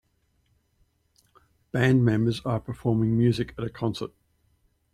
Band members are performing music at a concert.